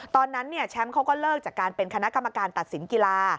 ตอนนั้นแชมป์เขาก็เลิกจากการเป็นคณะกรรมการตัดสินกีฬา